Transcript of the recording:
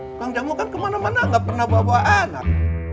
tukang jamu kan kemana mana gak pernah bawa anak